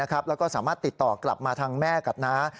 แล้วก็สามารถติดต่อกลับมาทางแม่กับน้า